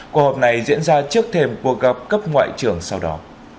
cuộc họp này diễn ra trước thềm cuộc gặp cấp ngoại trưởng sau đó